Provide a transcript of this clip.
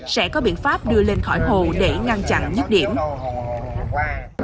sẽ có biện pháp đưa lên khỏi hồ để ngăn chặn nhất điểm